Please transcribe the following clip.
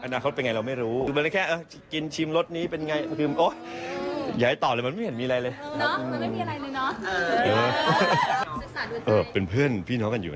อนาคตเป็นไงเราไม่รู้